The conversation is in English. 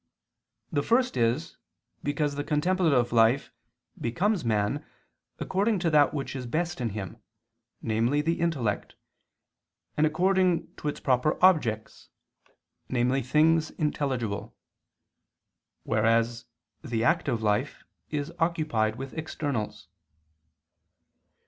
The first is, because the contemplative life becomes man according to that which is best in him, namely the intellect, and according to its proper objects, namely things intelligible; whereas the active life is occupied with externals.